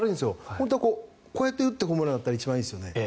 本当はこうやって打っていくものだったら一番いいですよね。